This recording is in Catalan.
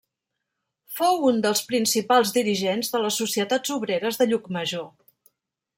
Fou un dels principals dirigents de les societats obreres de Llucmajor.